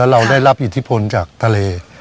เราได้รับอิทธิพลจากทะเล